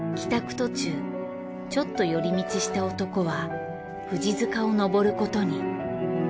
途中ちょっと寄り道した男は富士塚を登ることに。